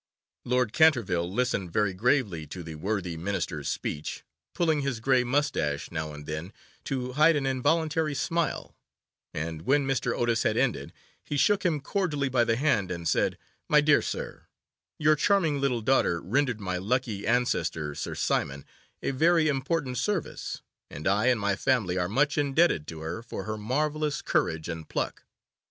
Lord Canterville listened very gravely to the worthy Minister's speech, pulling his grey moustache now and then to hide an involuntary smile, and when Mr. Otis had ended, he shook him cordially by the hand, and said, 'My dear sir, your charming little daughter rendered my unlucky ancestor, Sir Simon, a very important service, and I and my family are much indebted to her for her marvellous courage and pluck.